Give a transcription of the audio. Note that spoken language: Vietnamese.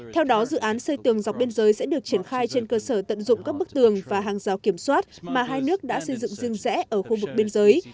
theo đó dự án xây tường dọc biên giới sẽ được triển khai trên cơ sở tận dụng các bức tường và hàng rào kiểm soát mà hai nước đã xây dựng riêng rẽ ở khu vực biên giới